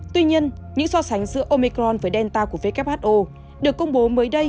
tuy nhiên những so sánh giữa omicron và delta của who được công bố mới đây